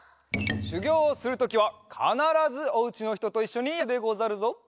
しゅぎょうをするときはかならずおうちのひとといっしょにやるでござるぞ。